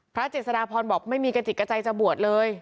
เจษฎาพรบอกไม่มีกระจิกกระใจจะบวชเลย